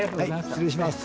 はい失礼します。